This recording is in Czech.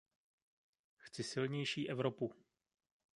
Chci silnější Evropu.